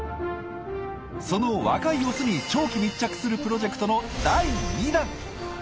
その若いオスに長期密着するプロジェクトの第２弾！